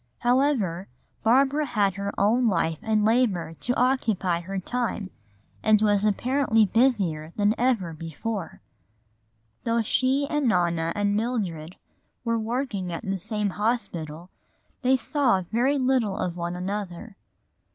However, Barbara had her own life and labor to occupy her time and was apparently busier than ever before. For although she and Nona and Mildred were working at the same hospital, they saw very little of one another.